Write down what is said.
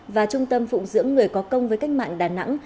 và trung tâm phụng dưỡng người có công với cách mạng đà nẵng